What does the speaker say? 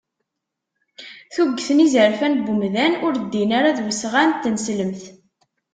Tuget n yizerfan n wemdan ur ddin ara d usɣan n tneslemt.